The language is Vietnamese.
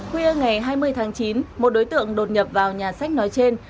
khuya ngày hai mươi tháng chín một đối tượng đột nhập vào nhà sách nói trên